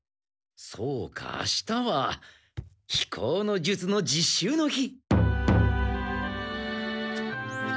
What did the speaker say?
そうか明日は飛行の術の実習の日。